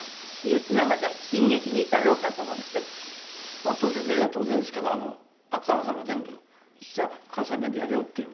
まあ当然といえば当然ですけど芥川さんが全部関西弁でやるよっていうのを。